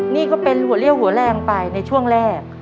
นี่ก็เป็นหัวเลี่ยวหัวแรงไปในช่วงแรก